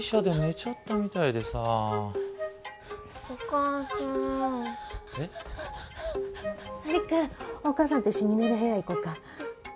璃久お母さんと一緒に寝る部屋行こうか。